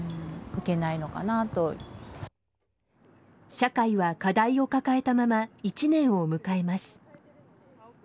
社会は課題を抱えたまま１年を迎えます。